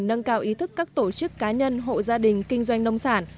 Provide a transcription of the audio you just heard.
nâng cao ý thức các tổ chức cá nhân hộ gia đình kinh doanh nông sản